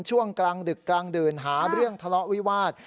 ช่วงกลางดึกกลางดื่นหาเรื่องทะเลาะวิวาส